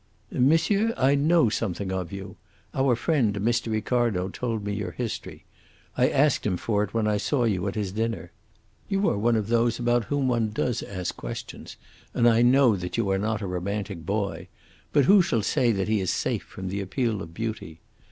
"Monsieur, I know something of you. Our friend, Mr. Ricardo, told me your history; I asked him for it when I saw you at his dinner. You are of those about whom one does ask questions, and I know that you are not a romantic boy, but who shall say that he is safe from the appeal of beauty?